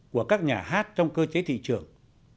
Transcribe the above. của các nhà hát trong cơ chế thị trường